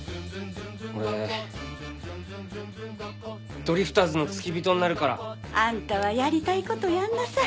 俺ドリフターズの付き人になるから。あんたはやりたいことやんなさい。